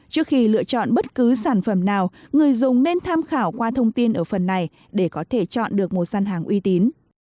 trước khi lựa chọn bất cứ sản phẩm nào người dùng nên tham khảo qua thông tin ở phần này để có thể chọn được một gian hàng uy tín